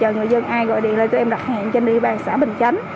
hỗ trợ người dân ai gọi điện lên tụi em đặt hẹn trên ủy ban xã bình chánh